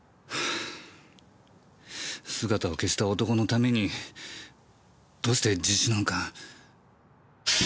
姿を消した男のためにどうして自首なんか？